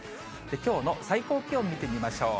きょうの最高気温見てみましょう。